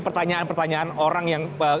pertanyaan pertanyaan orang yang